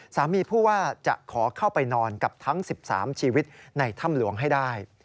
ผู้ว่าจะขอเข้าไปนอนกับทั้ง๑๓ชีวิตในถ้ำหลวงให้ได้